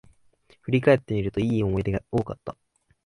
振り返ってみると、良い思い出が多かった